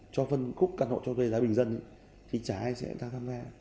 cho phân khúc căn hộ cho thuê giá bình dân thì chả ai sẽ tham gia